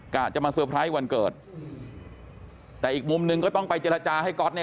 จะมาเซอร์ไพรส์วันเกิดแต่อีกมุมหนึ่งก็ต้องไปเจรจาให้ก๊อตเนี่ย